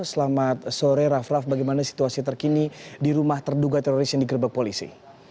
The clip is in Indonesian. selamat sore rafraf bagaimana situasi terkini di rumah terduga teroris yang digerbak polisi